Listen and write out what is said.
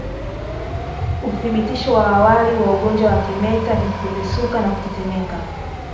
Uthibitisho wa awali wa ugonjwa wa kimeta ni kupepesuka na kutetemeka